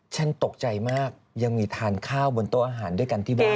ตกใจมากยังมีทานข้าวบนโต๊ะอาหารด้วยกันที่บ้าน